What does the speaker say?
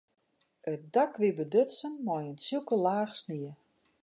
It dak wie bedutsen mei in tsjokke laach snie.